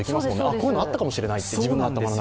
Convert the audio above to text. こういうのあったかもしれないって、自分の頭の中で。